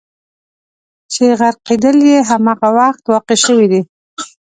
چې غرقېدل یې همغه وخت واقع شوي دي.